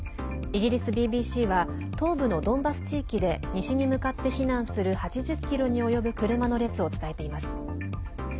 イギリスＢＢＣは東部のドンバス地域で西に向かって避難する８０ｋｍに及ぶ車の列を伝えています。